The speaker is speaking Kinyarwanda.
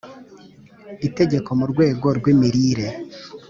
Itegeko mu rwego rw imirire